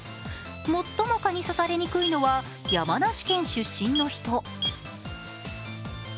最も蚊に刺されにくいのは山梨県出身の人。